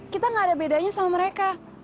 kita gak ada bedanya sama mereka